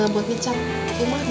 buat ngecap rumah